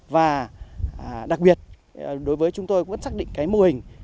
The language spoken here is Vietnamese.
và đặc biệt đối với chúng tôi vẫn xác định cái mô hình